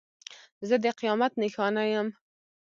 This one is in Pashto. زه د قیامت نښانه یم.